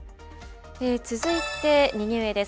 続いて右上です。